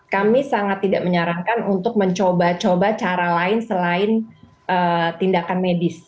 kami sangat tidak menyarankan untuk mencoba coba cara lain selain tindakan medis